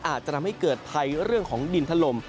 อาจจะทำให้เกิดภัยเรื่องของดินถล่ม